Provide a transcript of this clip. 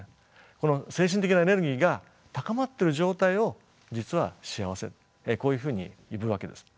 この精神的なエネルギーが高まってる状態を実は幸せこういうふうに呼ぶわけです。